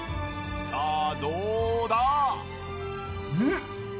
さあどうだ？